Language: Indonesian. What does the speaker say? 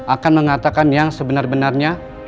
akan mengatakan yang sebenar benarnya